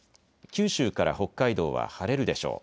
九州から北海道は晴れるでしょう。